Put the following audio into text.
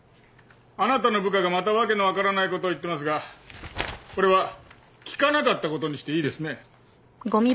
あなたの部下がまた訳の分からないことを言ってますがこれは聞かなかったことにしていいですね？